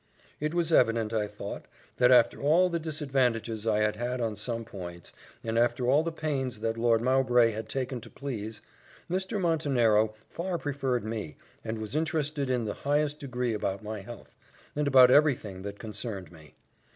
It was evident, I thought, that after all the disadvantages I had had on some points, and after all the pains that Lord Mowbray had taken to please, Mr. Montenero far preferred me, and was interested in the highest degree about my health, and about every thing that concerned me.